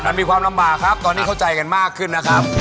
มันมีความลำบากครับตอนนี้เข้าใจกันมากขึ้นนะครับ